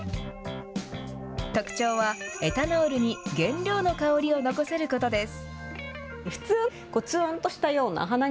特徴はエタノールに、原料の香りを残せることです。